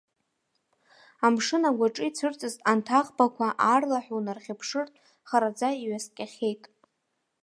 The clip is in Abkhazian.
Амшын агәаҿы ицәырҵыз анҭ аӷбақәа, аарлаҳәа унархьыԥшыртә, хараӡа иҩаскьахьеит.